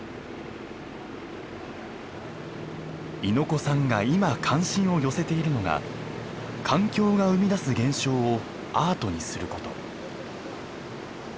猪子さんが今関心を寄せているのが環境が生み出す現象をアートにすること。